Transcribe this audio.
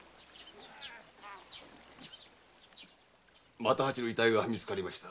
又八の遺体が見つかりました。